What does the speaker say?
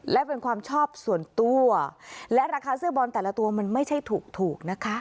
และเป็นความชอบส่วนตัวและราคาเสื้อบอลแต่ละตัวมันไม่ใช่ถูกนะคะ